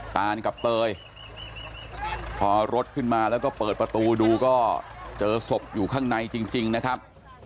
ตานกับเตยพอรถขึ้นมาแล้วก็เปิดประตูดูก็เจอศพอยู่ข้างในจริงนะครับ